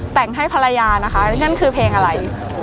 แต่งให้ภรรยานะคะนั่นคือเพลงอะไร